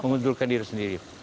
mengundurkan diri sendiri